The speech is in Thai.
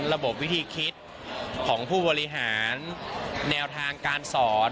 ระบบวิธีคิดของผู้บริหารแนวทางการสอน